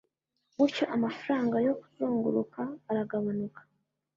Gutyo amafaranga yo kuzunguruka aragabanuka